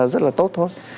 rất là tốt thôi